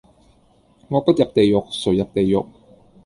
我不入地獄,誰入地獄